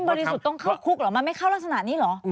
สุดต้องเข้าคุกเหรอมันไม่เข้ารักษณะนี้เหรอ